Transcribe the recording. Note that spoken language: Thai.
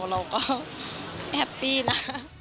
เราก็แฮปปี้นะ